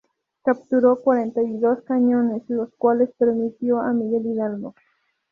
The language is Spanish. Capturó cuarenta y dos cañones, los cuales remitió a Miguel Hidalgo.